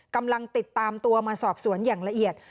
กำลังติดตามตัวมาสอบสวนอย่างละเอียด